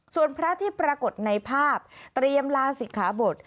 ส่วนพระที่ปรากฏในภาพเตรียมลาศิกขาบท